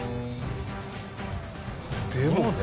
でもね。